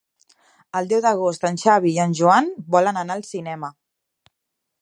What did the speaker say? El deu d'agost en Xavi i en Joan volen anar al cinema.